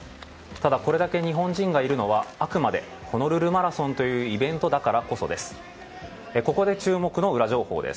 ただ、これだけ日本人がいるのはあくまでホノルルマラソンというイベントだからこそです。